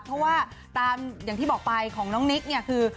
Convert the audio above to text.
เพราะว่าตามอย่างที่บอกไปของน้องนิกเนี่ยคือ